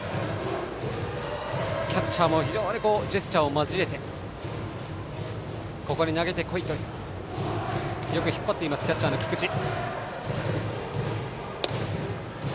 キャッチャーもジェスチャーを交えてここに投げてこいとよく引っ張っていますキャッチャーの菊池。